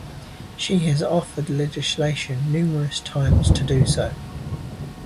She has offered legislation numerous times to do so.